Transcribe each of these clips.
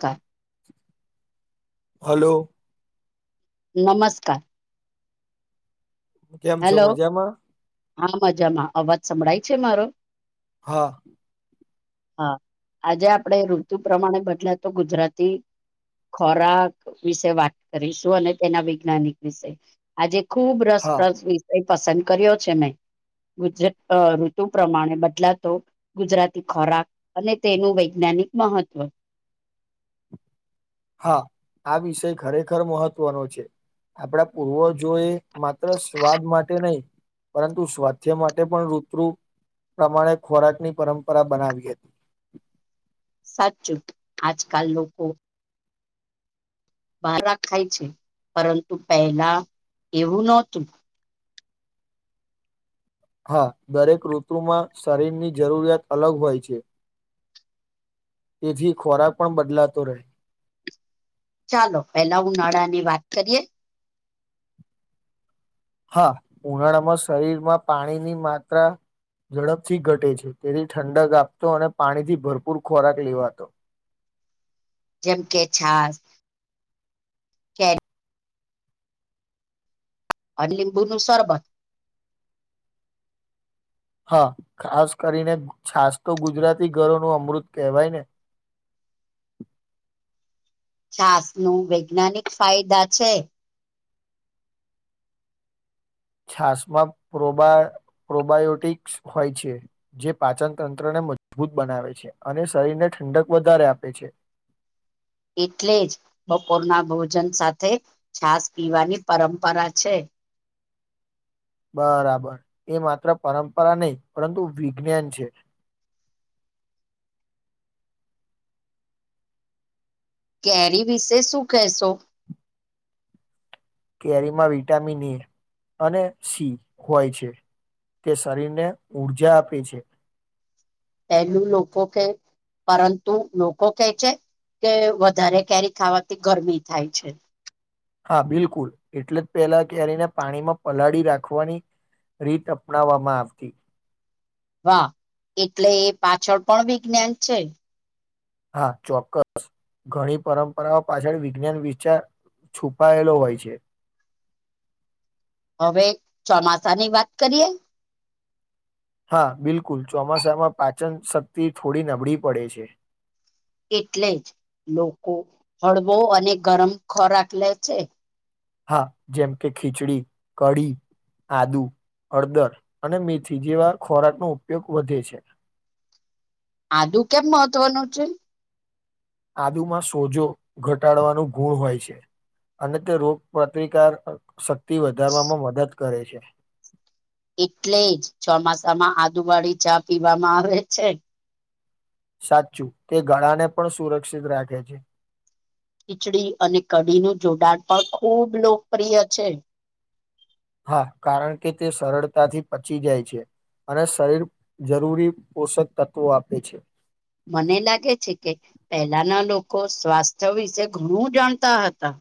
તા. હલો. નમસ્કાર કેમ છો હેલો મજામાં હા મજામાં અવાજ સંભળાય છે મારો હા હા આજે આપણે ઋતુ પ્રમાણે બદલા તો ગુજરાતી ખોરાક વિશે વાત કરીશું અને તેના વૈજ્ઞાનિક વિશે આજે ખુબ હા વિષય પસંદ કર્યો છે મેં ગુજ અ ઋતુ પ્રમાણે બદલાતો ગુજરાતી ખોરાક અને તેનું વૈજ્ઞાન ની મહત્વ હા આ વિષય ખરેખર મહત્વનો છે આપણા પૂર્વજોએ માત્ર સ્વાદ માટે નહી પરંતુ સ્વાસ્થ્ય માટે પણ ઋતુ પ્રમાણે ખોરાકની પરંપરા બનાવી હતી સાચુ આજ કલ લોકો બાર ખાય છે પરંતુ પહેલા એવું નહોતું હા દરેક ઋતુમાં શરીરની જરૂરિયાત અલગ હોય છે તેથી ખોરાક પણ બદલાતો રહે ચાલો પેલા હું ઉનાળાની વાત કરીએ હા ઉનાળામાં શરીરમાં પાણીની માત્રા ઝડપથી ઘટે છે તેથી ઠંડક આપતો અને પાણીથી ભરપૂર ખોરાક લેવાતો જેમ કે છાસ કે અને લીંબુ નું શરબત હા ખાસ કરીને છાસ તો ગુજરાતી ઘરો નું અમૃત કહેવાય ને છાસ ન વૈજ્ઞાનિક ફાયદા છે છાસમાં પ્રોબાયોટિક્સ હોય છે જે પાચન તંત્રને મજબૂત બનાવે છે અને શરીરને ઠંડક વધારે આપે છે એટલે જ બપોરના ભોજન સાથે છાસ પીવાની પરંપરા છે બરાબર એ માત્ર પરંપરા નહી પરંતુ વિજ્ઞાન છે કેરી વિશે શું કહેશો કેરીમાં વિટામિન એ અને સી હોય છે તે શરીરને ઊર્જા આપે છે પેલું લોકો કે પરંતુ લોકો કે છે કે વધારે કેરી ખાવાથી ગરમી થાય છે હા બિલકુલ એટલે જ પેલા ક્યારેને પાણીમાં પલાળી રાખવાની રીત અપનાવવામાં આવતી વાહ એટલે એ પાછળ પણ વિજ્ઞાન છે હા ચોક્કસ ઘણી પરંપરાઓ પાછળ વિજ્ઞાન વિચાર છુપાયેલો હોય છે હવે ચોમાસાની વાત કરીએ હા બિલકુલ ચોમાસામાં પાચન શક્તિ થોડી નબળી પડે છે એટલે જ લોકો હળવો અને ગરમ ખોરાક લે છે હા જેમ કે ખીચડી કડી આદુ હળદર અને મેથી જેવા ખોરાક નો ઉપયોગ વધે છે આદુ કેમ મહત્વનું છે આદુમાં સોજો ઘટાડવાનું ગુણ હોય છે અને તે રોગ પ્રતિકાર શક્તિ વધારવામાં મદદ કરે છે એટલે જ ચોમાસામાં આદુવાળી ચા પીવામાં આવે છે સાચું તે ગળાને પણ સુરક્ષિત રાખે છે ખીચડી અને કઢીનું જોડાણ પણ ખૂબ લોકપ્રિય છે હા કારણ કે તે સરળતાથી પચી જાય છે અને શરીર જરૂરી પોષક તત્વો આપે છે મને લાગે છે કે પહેલાના લોકો સ્વાસ્થ્ય વિશે ઘણું જાણતા હતા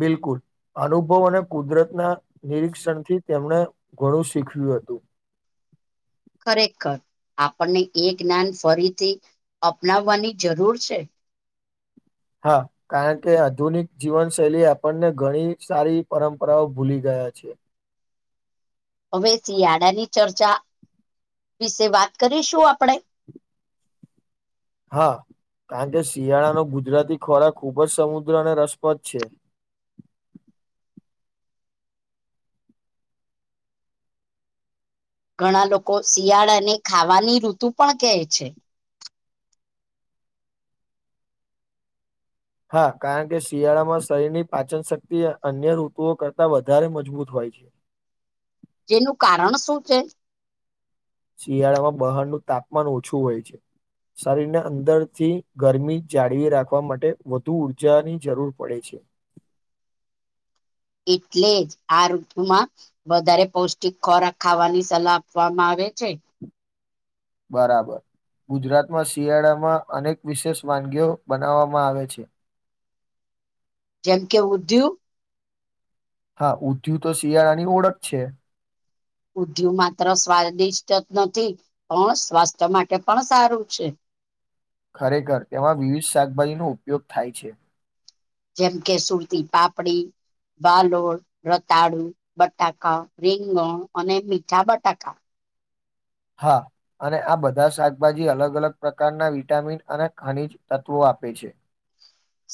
બિલકુલ અનુભવ અને કુદરતના નિરીક્ષણથી તેમણે ઘણું શીખ્યું હતું ખરેખખર આપણને એ જ્ઞાન ફરીથી અપનાવવાની જરૂર છે હા કારણ કે આધુનિક જીવન શૈલી આપણને ઘણી સારી પરંપરાઓ ભૂલી ગઈ છીએ હવે શિયાળાની ચર્ચા વિશે વાત કરીશું આપણે [inaudible] હા. કારણ કે શિયાળાનો ગુજરાતી ખોરાક ખૂબ જ સમુદ્ર અને રસપ્રદ છે. [inaudible] ઘણા લોકો શિયાળા અને ખાવાની ઋતુ પણ કહે છે. હા કારણ કે શિયાળામાં શરીરની પાચન શક્તિ અન્ય ઋતુઓ કરતા વધારે મજબૂત હોય છે. જેનું કારણ શું છે? શિયાળામાં બહાળનું તાપમાન ઓછું હોય છે. શરીરને અંદરથી ગરમી જાળવી રાખવા માટે વધુ ઊર્જાની જરૂર પડે છે. [unintelligible] એટલે જ આ ઋતુ માં વધારે પૌષ્ટિક ખોરાક ખાવાની સલાહ આપવામાં આવે છે. બરાબર. ગુજરાતમાં શિયાળામાં અનેક વિશેષ વાનગીઓ બનાવવામાં આવે છે. જેમ કે ઉધ્યુ! હા, ઊંઘ્યું તો શિયાળાની ઓળખ છે. ઊંઘ્યું માત્ર સ્વાદિષ્ટ જ નથી પણ સ્વાસ્થ્ય માટે પણ સારું છે. [inaudible] ખરેખર તેમાં વિવિધ શાકભાજીનો ઉપયોગ થાય છે. જેમ કે સુરતી પાપડી, વાલોળ, રતાળુ, બટાકા, રીંગણ અને મીઠા બટાકા. હા, અને આ બધા શાકભાજી અલગ અલગ પ્રકારના વિટામિન અને ખનીજ તત્વો આપ [unintelligible] આપે છે.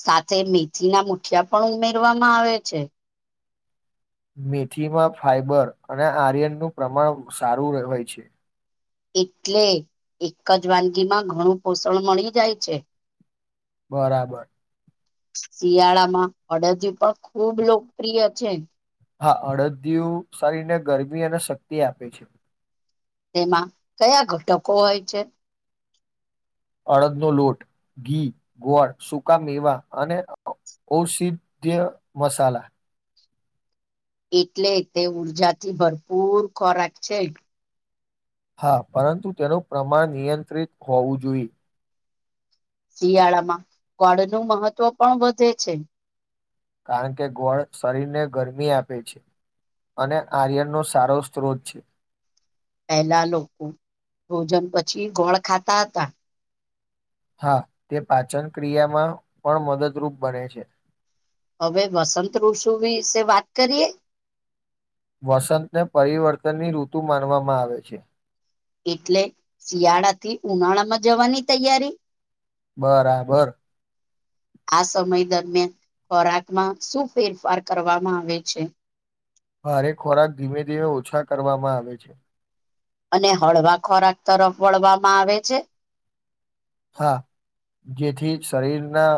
સાથે મેથીના મુઠિયા પણ ઉમેરવામાં આવે છે. મેથીમાં ફાઈબર અને આર્યનનું પ્રમાણ સારું હોય છે. એટલે એક જ વાનગીમાં ઘણું પોષણ મળી જાય છે. બરાબર. શિયાળામાં અડધ્યું પણ ખુબ લોકપ્રિય છે. હા, અડધ્યું શરીરને ગરમી અને શક્તિ આપે છે. તેમાં કયા ઘટકો હોય છે? અડદનો લોટ, ઘી, ગોળ, સૂકા મેવા, અને ઔષધય મસાલા. એટલે તે ઊર્જાથી ભરપૂર ખોરાક છે. હા, પરંતુ તેનું પ્રમાણ નિયંત્રિત હોવું જોઈએ. શિયાળામાં ગોળ નું મહત્વ પણ વધે છે. કારણ કે ગોળ શરીરને ગરમી આપે છે. અને આર્યનનો સારો સ્ત્રોત છે. પહેલા લોકો ભોજન પછી ગોળ ખાતા હતા. હા, તે પાચન ક્રિયામાં પણ મદદરૂપ બને છે. હવે વસંત ઋષુ વિશે વાત કરીએ? વસંતને પરિવર્તનની ઋતુ માનવામાં આવે છે. એટલે શિયાળાથી ઉનાળામાં જવાની તૈયારી? બરાબર. આ સમય દરમિયાન ખોરાકમાં શું ફેરફાર કરવામાં આવે છે? ભારે ખોરાક ધીમે ધીમે ઓછા કરવામાં આવે છે. અને હળવા ખોરાક તરફ વળવામાં આવે છે. હા જેથી શરીરના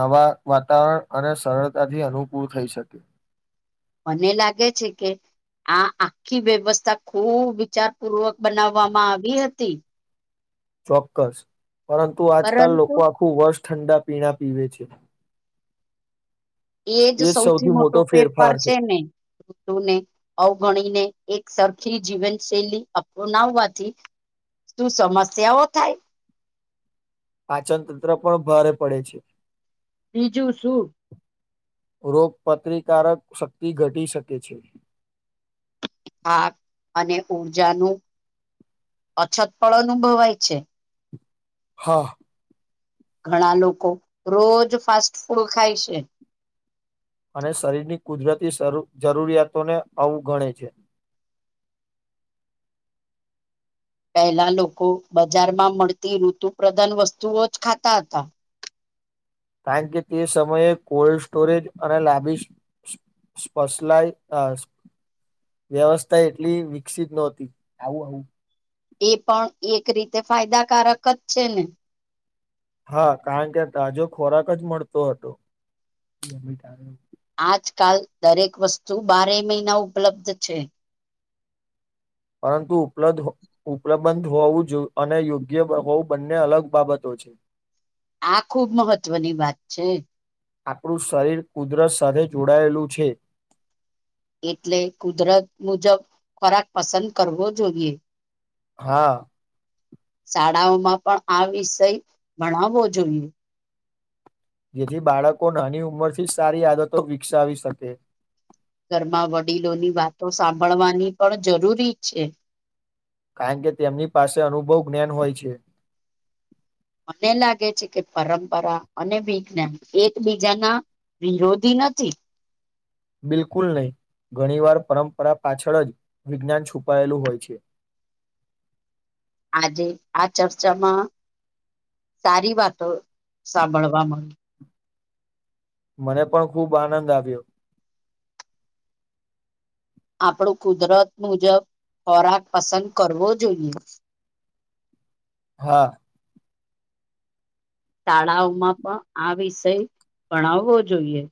નવા વાતાવરણ અને સરળતાથી અનુકૂળ થઈ શકે. મને લાગે છે કે આ આખી વ્યવસ્થા ખુબ વિચાર પૂર્વક બનાવવામાં આવી હતી ચોક્કસ પરંતુ આજકાલ પરંતુ લોકો આખું વર્ષ ઠંડા પીણા પીવે છે. એજ સૌથી મોટો પેપાર છે ને ઋતુ ને અવગણીને એક સરખી જીવનશૈલી અપનાવવાથી શું સમસ્યાઓ થાય. પાચન તંત્ર પણ ભારે પડે છે. બીજું શું રોગપત્રિકારક શક્તિ ઘટી શકે છે. આક અને ઉઊર્જાનું અછત ફળ અનુભવાય છે. હા. ઘણા લોકો રોજ ફાસ્ટ ફૂડ ખાય છે. અને શરીરની કુદરતી શરૂ જરૂરિયાતોને અવું ગણે છે. પહેલા લોકો બજારમાં મળતી ઋતુ પ્ર્રદાન વસ્તુઓ જ ખાતા હતા. કારણ કે તે સમયે કોલ્ડ સ્ટોરેજ અને લાબી સ્પશલાય અ વ્યવસ્થા એટલી વિકસિત નહતી આવું આવું એ પણ એક રીતે ફાયદાકારક જ છે ને. હા કારણ કે તાજો ખોરાક જ મળતો હતો. આજકાલ દરેક વસ્તુ બારે મહિના ઉપલબ્ધ છે. પરંતુ ઉપલબ્ હ ઉપલબંદ હોવું અને યોગ્ય હોવું બંને અલગ બાબતો. છે. આ ખુબ મહત્વની વાત છે. આપણું શરીર કુદરત સાથે જોડાયેલું છે. એટલે કુદરત મુજબ ખોરાક પસંદ કરવો જોઈએ. હા. શાળાઓમાં પણ આ વિષય ભણાવવો જોઈએ. જેથી બાળકો નાની ઉંમરથી સારી આદતો વિકસાવી શકે. ઘરમાં વડીલોની વાતો સાંભળવાની પણ જરૂરી છે. કારણ કે તેમની પાસે અનુભવ જ્ઞાન હોય છે. મને લાગે છે કે પરંપરા અને વિજ્ઞાન એકબીજાના વિરોધી નથી. બિલકુલ નહી. ઘણી વાર પરંપરા પાછળ જ વિજ્ઞાન છુપાયેલું હોય છે. આજે આ ચર્ચામાં સારી વાતો સાંભળવા મ મને પણ ખૂબ આનંદ આવ્યો. આપણું કુદરત મુજબ ખોરાક પસંદ કરવો જોઈએ. [inaudible] હા. શાળાઓમાં પણ આ વિષય ભણાવવો જોઈએ.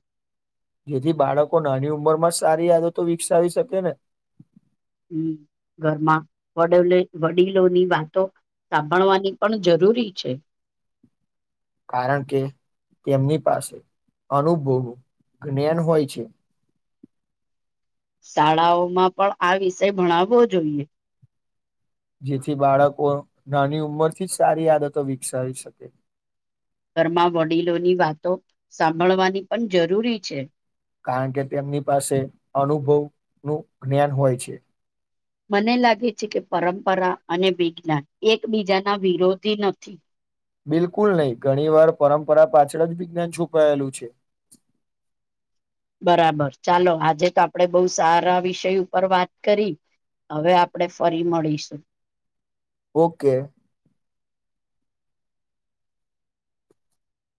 જેથી બાળકો નાની ઉંમર માં સારી આદતો વિકસાવી શકે ને. હમ્મ ઘરમાં વ વડીલો ની વાતો સાંભળવાની પણ જરૂરી છે. કારણ કે તેમની પાસે અનુભવું જ્ઞાન હોય છે. શાળાઓમાં પણ આ વિષય ભણાવવો જોઈએ. જેથી બાળકો નાની ઉંમરથી જ સારી આદતો વિકસાવી શકે. ઘરમાં વડીલોની વાતો સાંભળવાની પણ જરૂરી છે. કારણ કે તેમની પાસે અનુભવનું જ્ઞાન હોય છે. મને લાગે છે કે પરંપરા અને વિજ્ઞાન એકબીજાના વિરોધી નથી. બિલકુલ નહીં ઘણી વાર પરંપરા પાછળ જ વિજ્ઞાન છુપાયેલું છે. [inaudible] બરાબર ચાલો આજે તો આપડે બહુ સારા વિષય ઉપર વાત કરી. હવે આપણે ફરી મળીશું. ઓકે.